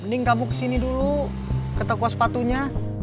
mending kamu kesini dulu ke toko sepatunya